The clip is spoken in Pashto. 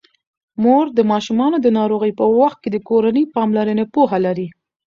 مور د ماشومانو د ناروغۍ په وخت د کورني پاملرنې پوهه لري.